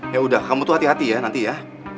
ya udah kamu tuh hati hati ya nanti ya